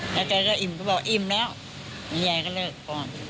แล้วแกก็อิ่มก็บอกอิ่มแล้วนี่ยายก็เลิกก่อน